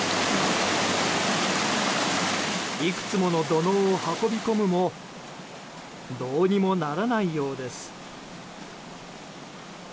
いくつもの土のうを運び込むもどうにもならないようです。